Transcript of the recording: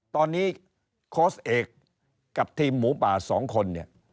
ตอนนี้โคสต์เอกกับทีมหมูป่า๒คน